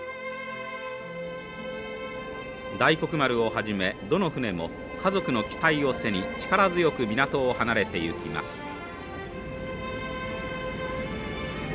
大黒丸をはじめどの船も家族の期待を背に力強く港を離れていきます。